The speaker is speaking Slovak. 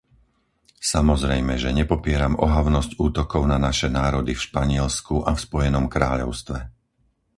Samozrejme, že nepopieram ohavnosť útokov na naše národy v Španielsku a v Spojenom kráľovstve.